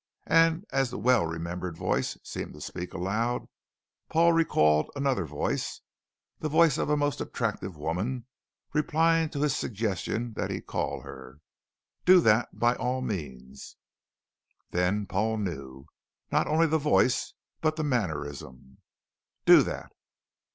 and as the well remembered voice seemed to speak aloud, Paul recalled another voice, the voice of a most attractive woman, replying to his suggestion that he call her: 'Do that, by all means.' Then Paul knew. Not only the voice, but the mannerism. '_Do that....